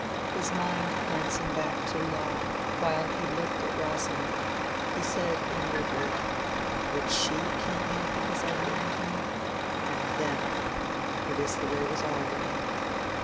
His mind glancing back to Laure while he looked at Rosamond, he said inwardly, "Would she kill me because I wearied her?" and then, "It is the way with all women."